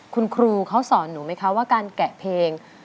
คุณครูเขาสอนหนูไหมคะว่าการแกะเพลง